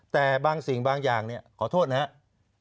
แต่บางสิ่งบางอย่างเนี่ยขอโทษนะครับ